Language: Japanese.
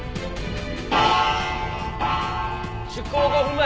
出港５分前！